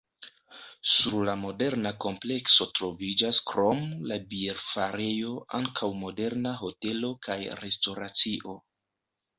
Sur la moderna komplekso troviĝas krom la bierfarejo ankaŭ moderna hotelo kaj restoracio.